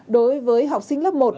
đối với học sinh lớp một